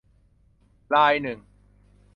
รายหนึ่ง